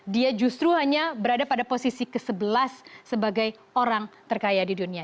dia justru hanya berada pada posisi ke sebelas sebagai orang terkaya di dunia